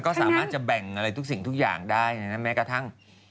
ก็สามารถจะแบ่งอะไรทุกสิ่งทุกอย่างได้นะแม้กระทั่ง